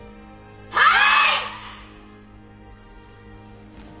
はい！